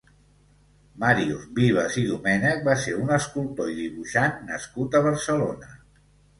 Màrius Vives i Domènech va ser un escultor i dibuixant nascut a Barcelona.